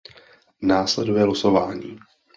Následuje losování.